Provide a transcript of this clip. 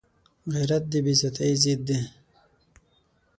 غیرت د بې عزتۍ ضد دی